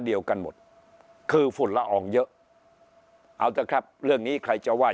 เดียวกันหมดคือฝุ่นละอองเยอะเอาเถอะครับเรื่องนี้ใครจะไหว้